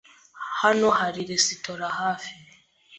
Hano hari resitora hafi?